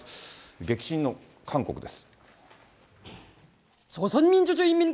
激震の韓国です。